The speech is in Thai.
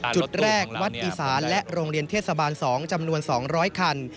จุดแรกวัดอีสานและโรงเรียนเทศบาล๒จำนวน๒๐๐คัน